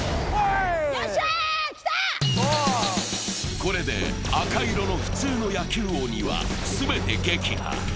これで赤色の普通の野球鬼は全て撃破。